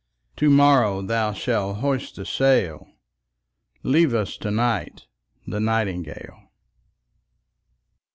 To morrow thou shalt hoist the sail; Leave us to night the nightingale.